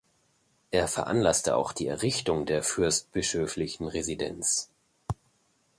Er veranlasste auch die Errichtung der fürstbischöflichen Residenz.